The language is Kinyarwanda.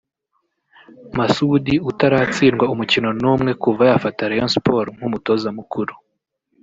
Masoudi utaratsindwa umukino n’umwe kuva yafata ya Rayon Sports nk’umutoza mukuru